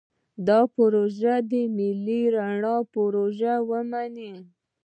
دا پروژه دې د ملي رڼا پروژه ومنو.